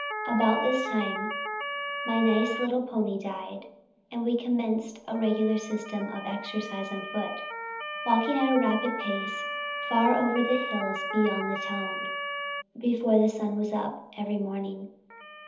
About this time, my nice little pony died, and we commenced a regular system of exercise on foot, walking at a rapid pace, far over the hills beyond the town, before the sun was up, every morning.